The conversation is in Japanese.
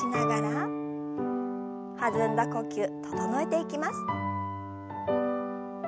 弾んだ呼吸整えていきます。